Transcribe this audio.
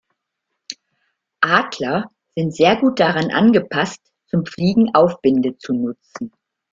Adler sind sehr gut daran angepasst, zum Fliegen Aufwinde zu nutzen.